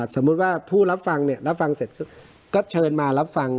สมมุติว่าผู้รับฟังเนี่ยรับฟังเสร็จก็เชิญมารับฟัง